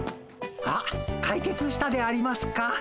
あっ解決したでありますか？